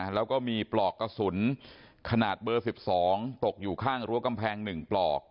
แล้วก็มีปลอกกระสุนขนาดเบอร์๑๒ตกอยู่ข้างรั้วกำแพง๑ปลอก